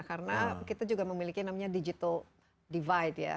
karena kita juga memiliki namanya digital divide ya